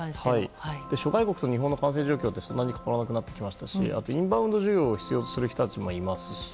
諸外国と日本の感染状況はそんなに変わらなくなりましたしインバウンド需要を必要とする人たちもいますし。